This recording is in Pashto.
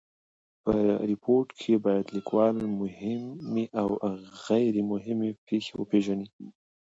په ریپورټ کښي باید لیکوال مهمي اوغیري مهمي پېښي وپېژني.